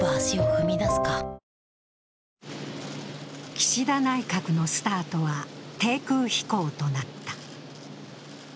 岸田内閣のスタートは低空飛行となった。